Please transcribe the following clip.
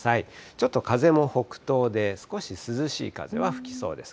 ちょっと風も北東で、少し涼しい風は吹きそうです。